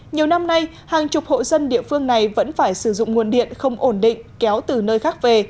nhiều năm nay hàng chục hộ dân địa phương này vẫn phải sử dụng nguồn điện không ổn định kéo từ nơi khác về